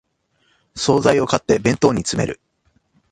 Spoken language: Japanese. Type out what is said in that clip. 総菜を買って弁当に詰める